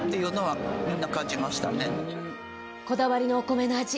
こだわりのお米の味